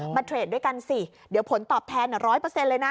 มาเทรดด้วยกันสิเดี๋ยวผลตอบแทน๑๐๐เปอร์เซ็นต์เลยนะ